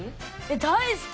大好き！